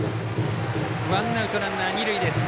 ワンアウトランナー、二塁です。